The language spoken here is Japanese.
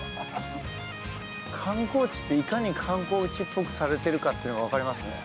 観光地って、いかに観光地っぽくされてるかってのが分かりますね。